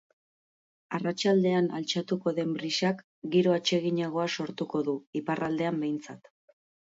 Arratsaldean altxatuko den brisak giro atseginagoa sortuko du, iparraldean behintzat.